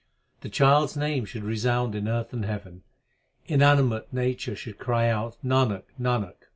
The child s name should resound both in earth and heaven. Inanimate nature should cry out Nanak, Nanak